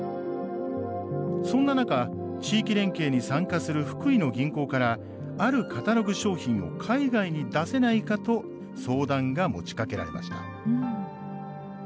そんな中、地域連携に参加する福井の銀行からあるカタログ商品を海外に出せないかと相談が持ちかけられました。